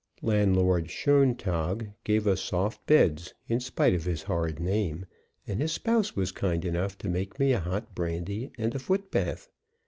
Landlord Schoentag gave us soft beds, in spite of his hard name, and his spouse was kind enough to make me a hot brandy and a foot bath.